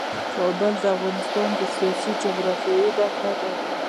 کابل د افغانستان د سیاسي جغرافیه برخه ده.